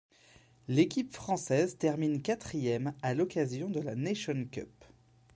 L'équipe française termine quatrième à l'occasion de la nation cup.